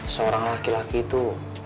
seorang laki laki itu